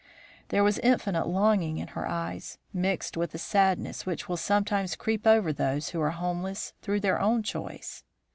There was infinite longing in her eyes, mixed with the sadness which will sometimes creep over those who are homeless through their own choice.